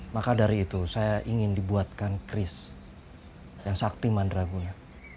maka dari itu saya ingin dibuatkan cris yang sakti manderaguna